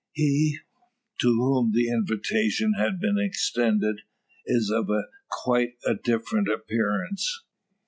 He, to whom the invitation has been extended, is of quite a different appearance.